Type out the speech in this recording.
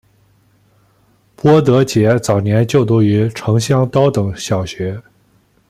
郭德洁早年就读于城厢高等小学。